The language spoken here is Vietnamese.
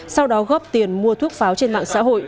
sau đó góp tiền mua thuốc pháo trên mạng xã hội